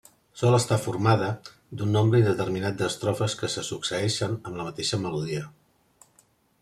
Sol estar formada d'un nombre indeterminat d'estrofes que se succeeixen amb la mateixa melodia.